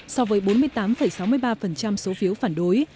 so với bốn mươi tám sáu mươi ba số phiếu phản đối